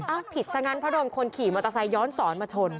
ผิดซะงั้นเพราะโดนคนขี่มอเตอร์ไซคย้อนสอนมาชน